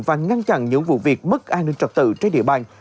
và ngăn chặn những vụ việc mất an ninh trật tự trên địa bàn